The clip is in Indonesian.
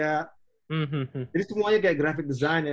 jadi semuanya kayak graphic design ya